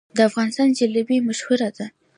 د افغانستان جلبي مشهوره ده